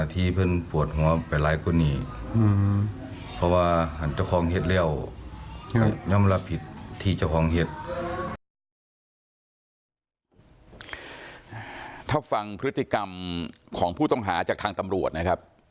ถ้าฟังพฤติกรรมของผู้ต้องหาจากทางตำรวจนะครับ